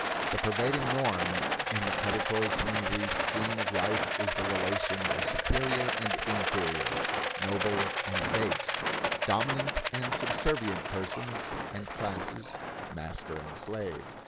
The pervading norm in the predatory community's scheme of life is the relation of superior and inferior, noble and base, dominant and subservient persons and classes, master and slave.